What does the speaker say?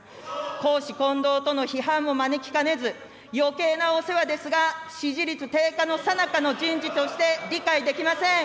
公私混同との批判も招きかねず、よけいなお世話ですが、支持率低下のさなかの人事として理解できません。